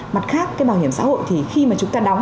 mặt khác cái bảo hiểm xã hội thì khi mà chúng ta đóng